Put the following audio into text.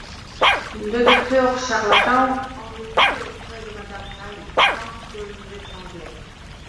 Le docteur Charlatan, endetté auprès de madame Cai, tente de l'étrangler.